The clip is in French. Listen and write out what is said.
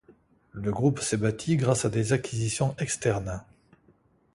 Le groupe s'est bâti grâce à des acquisitions externes.